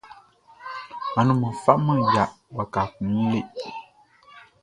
Anumanʼn kwlá faman ya waka kun wun le.